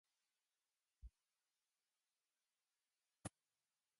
The land granted by the original patent was often sold to the new settlers.